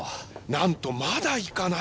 なんとまだいかない。